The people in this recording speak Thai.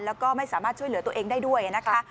แล้วก็ไม่สามารถช่วยเหลือตัวเองได้ด้วยนะคะ